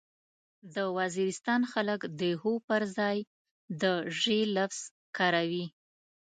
د وزيرستان خلک د هو پرځای د ژې لفظ کاروي.